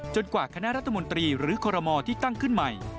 กว่าคณะรัฐมนตรีหรือคอรมอที่ตั้งขึ้นใหม่